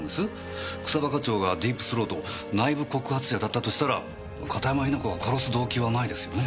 草葉課長がディープ・スロート内部告発者だったとしたら片山雛子が殺す動機はないですよね？